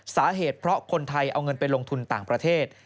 สาเหตุเพราะคนไทยเอาเงินไปลงทุนต่างประเทศ